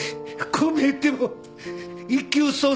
こう見えても１級葬祭。